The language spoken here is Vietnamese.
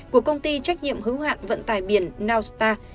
của công ty trách nhiệm hữu hạn vận tải biển nausta